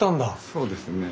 そうですね。